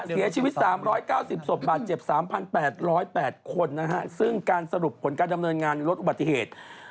เสียชีวิต๓๙๐ศพบาดเจ็บ๓๘๐๘คนนะฮะซึ่งการสรุปผลการดำเนินงานลดอุบัติเหตุ